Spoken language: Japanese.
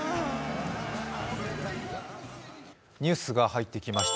ニュースが入ってきました。